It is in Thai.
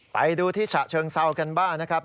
ไปดูที่ฉะเชิงเซากันบ้างนะครับ